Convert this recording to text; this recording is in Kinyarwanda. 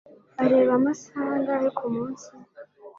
areba amasaha angahe kumunsi?